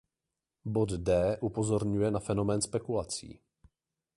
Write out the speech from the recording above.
Bod D upozorňuje na fenomén spekulací.